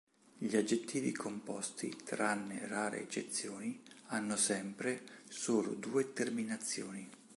Gli aggettivi composti, tranne rare eccezioni hanno sempre solo due terminazioni.